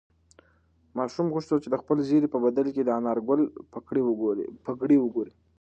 ماشوم غوښتل چې د خپل زېري په بدل کې د انارګل پګړۍ وګوري.